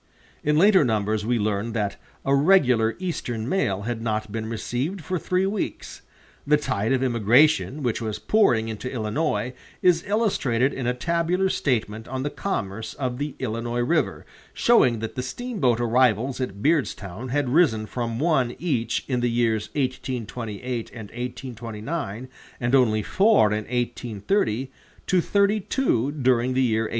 In later numbers we learn that a regular Eastern mail had not been received for three weeks. The tide of immigration which was pouring into Illinois is illustrated in a tabular statement on the commerce of the Illinois River, showing that the steamboat arrivals at Beardstown had risen from one each in the years 1828 and 1829, and only four in 1830, to thirty two during the year 1831.